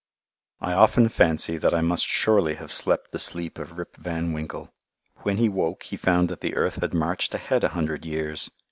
I often fancy that I must surely have slept the sleep of Rip Van Winkle. When he woke he found that the world had marched ahead a hundred years.